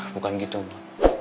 bukan gitu mo